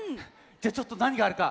じゃちょっとなにがあるか。